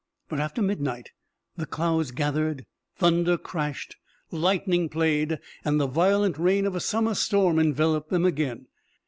But after midnight the clouds gathered, thunder crashed, lightning played and the violent rain of a summer storm enveloped them again.